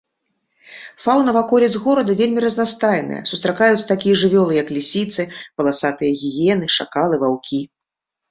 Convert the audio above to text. Фаўна ваколіц горада вельмі разнастайная, сустракаюцца такія жывёлы як лісіцы, паласатыя гіены, шакалы, ваўкі.